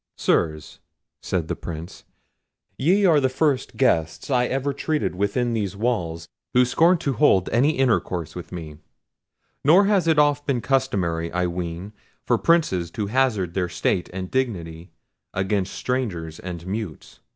"Sirs" said the Prince, "ye are the first guests I ever treated within these walls who scorned to hold any intercourse with me: nor has it oft been customary, I ween, for princes to hazard their state and dignity against strangers and mutes.